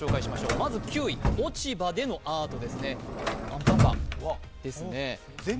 まず９位、落ち葉でのアートですねアンパンマンですね。